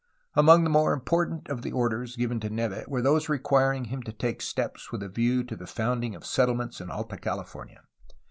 Among the more important of the orders given to Neve were those requiring him to take steps with a view to the founding of settlements in Alta California.